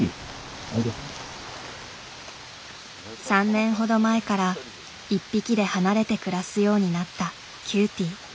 ３年ほど前から一匹で離れて暮らすようになったキューティー。